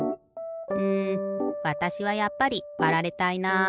うんわたしはやっぱりわられたいな。